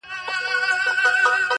پېژندلی پر ایران او پر خُتن وو!.